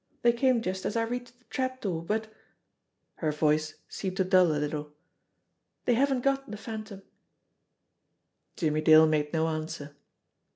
They came just as I reached the trap door but" her voice seemed to dull a little "they haven't got the Phantom." Jimmie Dale made no answer.